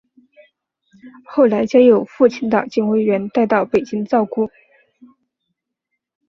后来交由父亲的警卫员带到北京照顾。